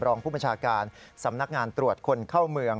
รองผู้บัญชาการสำนักงานตรวจคนเข้าเมือง